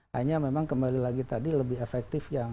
hanya memang kembali lagi tadi lebih efektif yang